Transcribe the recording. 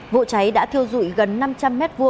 vụ cháy đã thiêu dụi gần năm trăm linh m hai